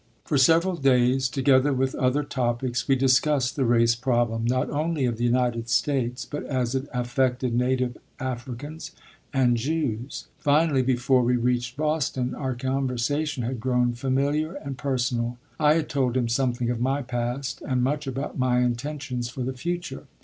For several days, together with other topics, we discussed the race problem, not only of the United States, but as it affected native Africans and Jews. Finally, before we reached Boston, our conversation had grown familiar and personal. I had told him something of my past and much about my intentions for the future.